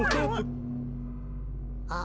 あ。